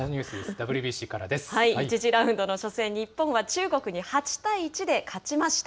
Ｗ１次ラウンドの初戦、日本は中国に８対１で勝ちました。